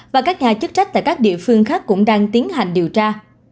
và các nhà chức trách tại các địa phương khác cũng đang tiến hành điều tra